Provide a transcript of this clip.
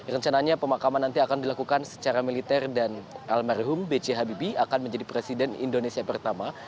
rencananya pemakaman nanti akan dilakukan secara militer dan almerhum bghbb akan menjadi presiden indonesia pertama